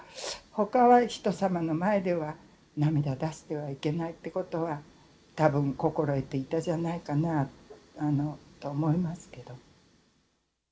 ほかは人様の前では涙出してはいけないってことは多分心得ていたじゃないかなと思いますけど。